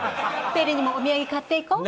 ペレにもお土産買っていこう。